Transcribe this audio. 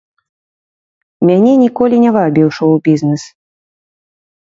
Мяне ніколі не вабіў шоў-бізнэс.